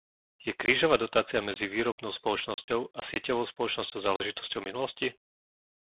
Je krížová dotácia medzi výrobnou spoločnosťou a sieťovou spoločnosťou záležitosťou minulosti?